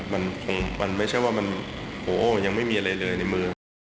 มันคงมันไม่ใช่ว่ามันโหยังไม่มีอะไรเลยในมือ